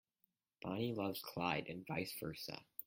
Bonnie loves Clyde and vice versa.